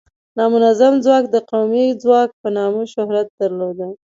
نامنظم ځواک د قومي ځواک په نامه شهرت درلوده.